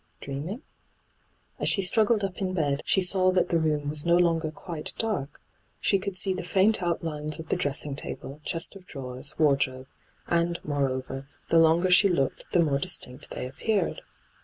Dreaming? As she struggled up in bed, she saw that the room was no longer quite dark : she could see the faint outlines of the dressing table, chest of drawers, wardrobe ; and, moreover, the longer she looked, the more distinct they appeared.